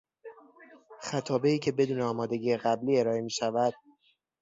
خطابهای که بدون آمادگی قبلی ارائه میشود